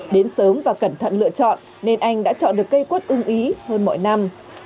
đến sớm và cẩn thận lựa chọn nên anh đã chọn được cây quất ưng ý hơn mọi năm